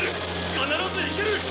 必ずいける！